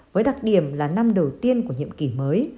với đặc điểm là năm đầu tiên của nhiệm kỳ mới